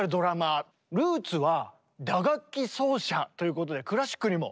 ルーツは打楽器奏者ということでクラシックにも。